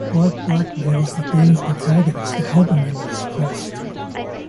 Larc blackmails the game's protagonist to help him in this quest.